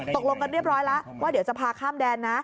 ตกลงกันเรียบร้อยแล้วว่าเดี๋ยวจะพาข้ามแดนนะ